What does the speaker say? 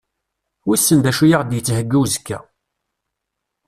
Wissen d acu i aɣ-d-yettheggi uzekka?